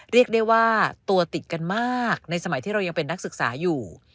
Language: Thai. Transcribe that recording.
เรียกได้ว่าตัวติดกันมากในสมัยที่เรายังเป็นนักศึกษาอยู่